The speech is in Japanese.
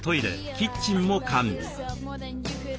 キッチンも完備。